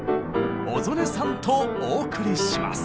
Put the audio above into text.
小曽根さんとお送りします！